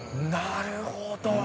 なるほど。